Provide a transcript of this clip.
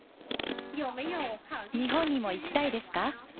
日本にも行きたいですか？